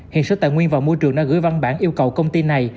hiện sở tài nguyên và môi trường đã gửi văn bản yêu cầu công ty này